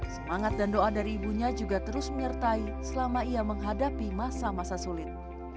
semangat dan doa dari ibunya juga terus mirtai selama ia menghadapi masa masa sulit